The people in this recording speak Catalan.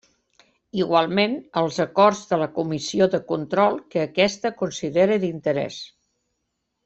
Igualment, els acords de la Comissió de Control que aquesta considere d'interès.